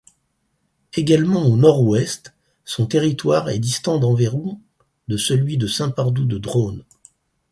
Également au nord-ouest, son territoire est distant d'environ de celui de Saint-Pardoux-de-Drône.